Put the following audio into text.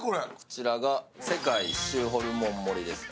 世界一周ホルモン盛りですね。